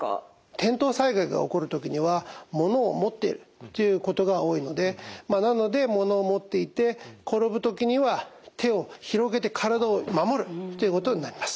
転倒災害が起こる時には物を持っているということが多いのでなので物を持っていて転ぶ時には手を広げて体を守るということになります。